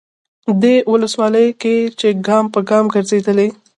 دې ولسوالۍ کې چې ګام به ګام ګرځېدلی،